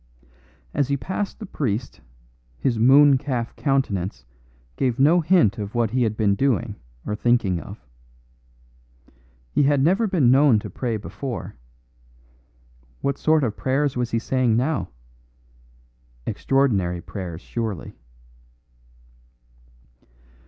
As he passed the priest, his moon calf countenance gave no hint of what he had been doing or thinking of. He had never been known to pray before. What sort of prayers was he saying now? Extraordinary prayers surely.